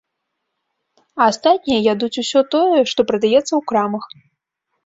А астатнія ядуць усё тое, што прадаецца ў крамах.